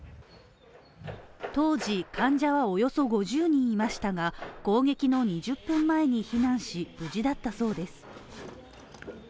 当時、患者はおよそ５０人いましたが攻撃の２０分前に避難し、無事だったそうです。